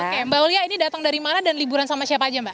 oke mbak ulia ini datang dari mana dan liburan sama siapa aja mbak